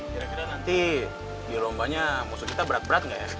kira kira nanti di lombanya musuh kita berat berat nggak ya